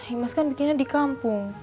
imas kan bikinnya di kampung